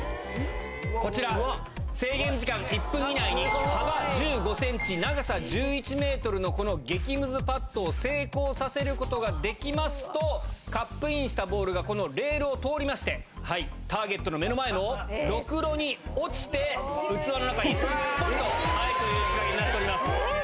こちら、制限時間１分以内に、幅１５センチ、長さ１１メートルのこの激むずパットを成功させることができますと、カップインしたボールが、このレールを通りまして、ターゲットの目の前のろくろに落ちて、器の中にすっぽりと入るという仕掛けになっております。